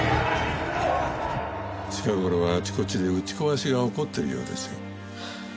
近頃はあちこちで打ち壊しが起こってるようです。はあ。